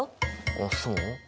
あっそう？